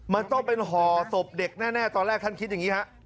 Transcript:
มันต้องเป็นห่อศพเด็กแน่ตอนแรกท่านคิดอย่างนี้ฮะ